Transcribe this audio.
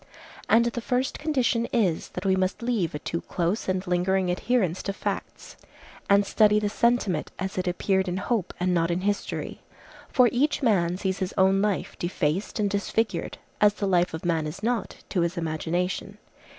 And the first condition is, that we must leave a too close and lingering adherence to facts, and study the sentiment as it appeared in hope and not in history. For each man sees his own life defaced and disfigured, as the life of man is not, to his imagination.